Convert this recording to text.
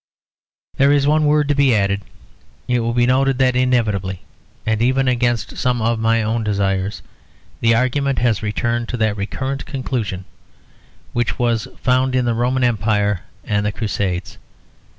There is one word to be added; it will be noted that inevitably and even against some of my own desires, the argument has returned to that recurrent conclusion, which was found in the Roman Empire and the Crusades.